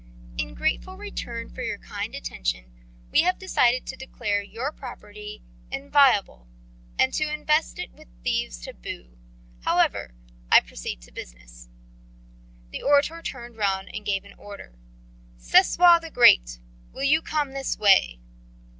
In grateful return for your kind attention we have decided to declare your property inviolable, and to invest it with a thieves' taboo. However, I proceed to business." The orator turned round and gave an order: "Sesoi the Great, will you come this way!"